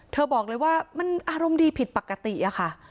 บอกเลยว่ามันอารมณ์ดีผิดปกติอะค่ะ